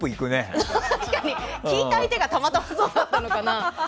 聞いた相手がたまたまそうだったのかな。